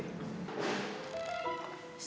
bener bareng gue yuk